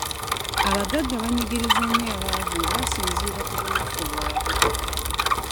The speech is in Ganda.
Abagagga banyigiriza nnyo abaavu nga basinziira ku bunafu bwabwe.